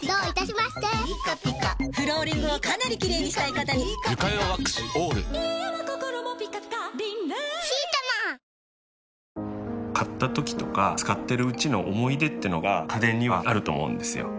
夫婦に一日密着すると買ったときとか使ってるうちの思い出ってのが家電にはあると思うんですよ。